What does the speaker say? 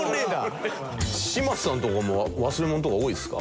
嶋佐さんとかも忘れ物とか多いですか？